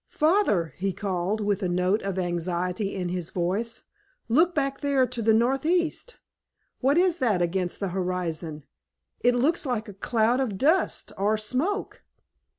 "Father," he called, with a note of anxiety in his voice, "look back there to the northeast! What is that against the horizon? It looks like a cloud of dust or smoke."